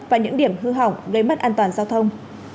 và những điểm hư hỏng gây mất an toàn giao thông